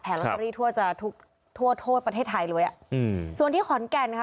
ลอตเตอรี่ทั่วจะทุกทั่วโทษประเทศไทยเลยอ่ะอืมส่วนที่ขอนแก่นค่ะ